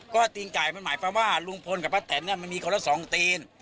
ก็ตีนไก่มันหมายความว่าลุงพลกับป้าแตนมันมีคนละสองตีน